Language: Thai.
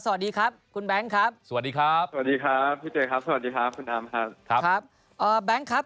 สวัสดีครับคุณแบงค์ครับ